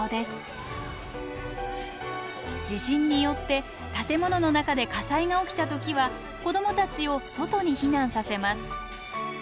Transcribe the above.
地震によって建物の中で火災が起きた時は子どもたちを外に避難させます。